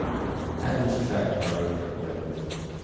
add this track to my road trip playlist